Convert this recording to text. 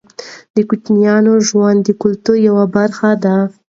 د کوچیانو ژوند د کلتور یوه برخه ده.